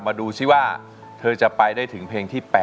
มาดูซิว่าเธอจะไปได้ถึงเพลงที่๘